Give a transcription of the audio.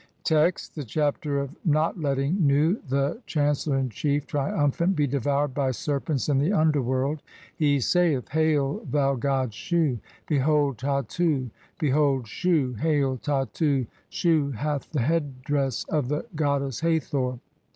Text : (1) The Chapter of not [letting] Nu, the chan CELLOR IN CHIEF, TRIUMPHANT, BE DEVOURED BY SERPENTS IN THE UNDERWORLD. He saith :— "Hail, thou god Shu! (2) Behold Tartu! Behold Shu! Hail "Tattu! [Shu] hath the head dress of the goddess Hathor.